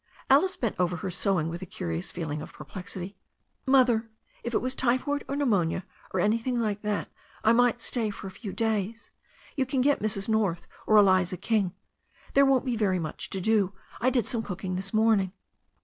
Alice bent over her sewing with a curious feeling of perplexity. "Mother, if it was t)rphoid or pneumonia or anything like that I might stay for a few days. You can get Mrs. North or Eliza King. But there won't be much to do. I did some cooking this morning."